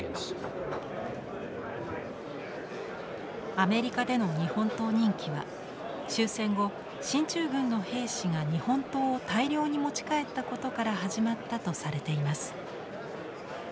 アメリカでの日本刀人気は終戦後進駐軍の兵士が日本刀を大量に持ち帰ったことから始まったとされています。